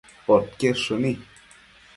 podquied shëni